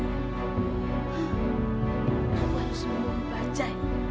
aku harus sembunyi bajaj